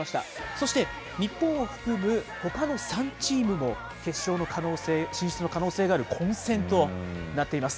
そして日本を含むほかの３チームも、決勝の可能性、進出の可能性がある混戦となっています。